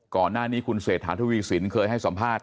ก่อนหน้านี้คุณเศรษฐาทวีสินเคยให้สัมภาษณ